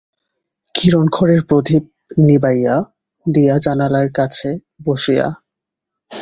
কিরণ ঘরের প্রদীপ নিবাইয়া দিয়া জানলার কাছে বসিয়া।